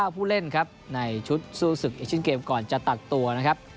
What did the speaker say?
ผู้เล่นครับในชุดสู้ศึกเอเชียนเกมก่อนจะตัดตัวนะครับ